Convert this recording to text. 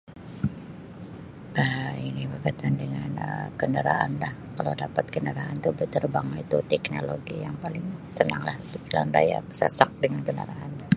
Um Ini berkaitan dengan Um kenderaan lah kalau dapat kenderaan itu berterbanglah itu teknologi yang paling senang lah seb jalan raya sasak dengan kenderaan.